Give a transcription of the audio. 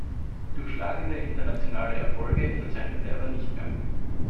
Durchschlagende internationale Erfolge verzeichnete er aber nicht mehr.